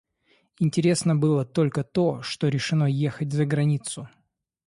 Интересно было только то, что решено ехать за границу.